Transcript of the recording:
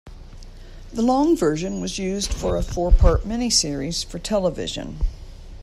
The long version was used for a four-part miniseries for television.